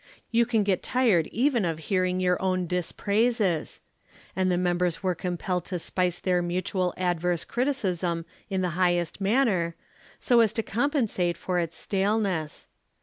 You can get tired even of hearing your own dispraises; and the members were compelled to spice their mutual adverse criticism in the highest manner, so as to compensate for its staleness.